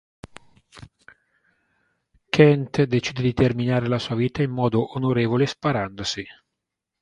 Kent decide di terminare la sua vita in modo "onorevole" sparandosi.